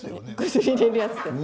薬入れるやつです。